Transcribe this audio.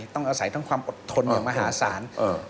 ต้องอาศัยทั้งความอดทนอย่างมหาศาล